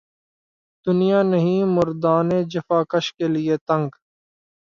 دنیا نہیں مردان جفاکش کے لیے تنگ